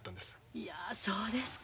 いやそうですか。